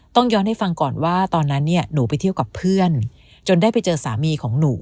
ย้อนให้ฟังก่อนว่าตอนนั้นเนี่ยหนูไปเที่ยวกับเพื่อนจนได้ไปเจอสามีของหนู